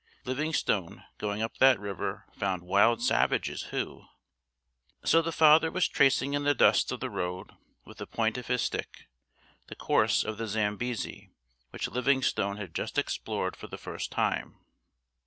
Livingstone going up that river found wild savages who ..." So the father was tracing in the dust of the road with the point of his stick the course of the Zambesi which Livingstone had just explored for the first time.